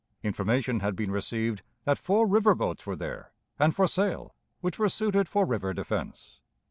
Information had been received that four river boats were there, and for sale, which were suited for river defense.